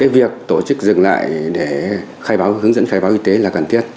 việc tổ chức dừng lại để hướng dẫn khai báo y tế là cần thiết